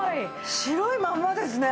白いままですね！